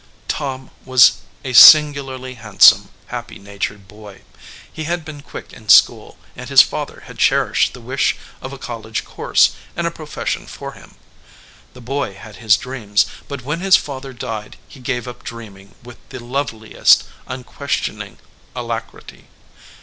Tom was a singularly handsome, happy natured boy. He had been quick in school, and his father had cherished the wish of a college course and a profession for him. The boy had his dreams, but when his father died he gave up dreaming with the loveliest unquestioning alacrity.